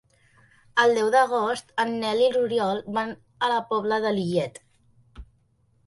El deu d'agost en Nel i n'Oriol van a la Pobla de Lillet.